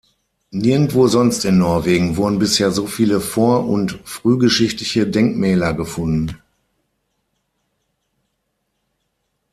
Nirgendwo sonst in Norwegen wurden bisher so viele vor- und frühgeschichtliche Denkmäler gefunden.